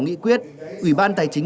nghị quyết ủy ban tài chính